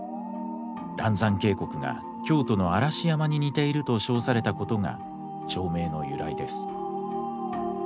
嵐山渓谷が京都の嵐山に似ていると称されたことが町名の由来です。